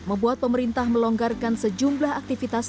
membuat pemerintah melonggarkan sejumlah aktivitas